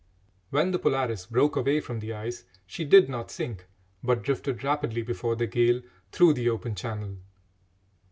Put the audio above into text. When the Polaris broke away from the ice, she did not sink, but drifted rapidly before the gale through the open channel.